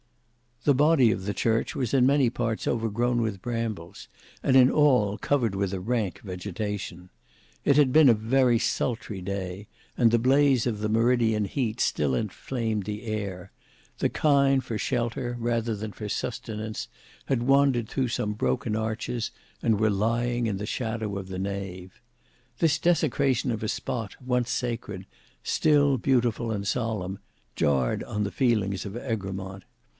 The body of the church was in many parts overgrown with brambles and in all covered with a rank vegetation. It had been a very sultry day, and the blaze of the meridian heat still inflamed the air; the kine for shelter, rather than for sustenance, had wandered through some broken arches, and were lying in the shadow of the nave. This desecration of a spot, once sacred, still beautiful and solemn, jarred on the feelings of Egremont.